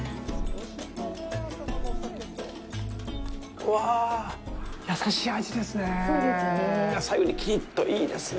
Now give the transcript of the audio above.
うわぁ、優しい味ですね！